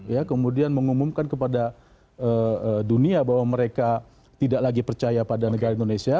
ya kemudian mengumumkan kepada dunia bahwa mereka tidak lagi percaya pada negara indonesia